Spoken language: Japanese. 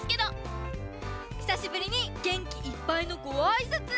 ひさしぶりにげんきいっぱいのごあいさつ。